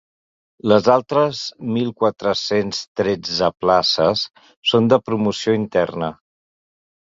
Les altres mil quatre-cents tretze places són de promoció interna.